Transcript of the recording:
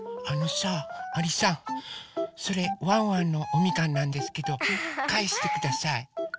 あのさアリさんそれワンワンのおみかんなんですけどかえしてください。